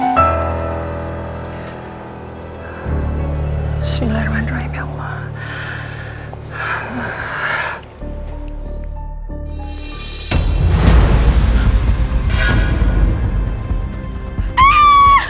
kamu denger ada suara teriakan gak sih